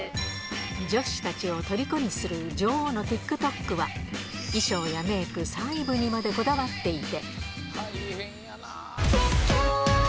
女子たちをとりこにする女王のＴｉｋＴｏｋは、衣装やメーク、細部にまでこだわっていて。